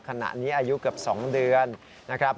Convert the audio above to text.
ขณะนี้อายุเกือบ๒เดือนนะครับ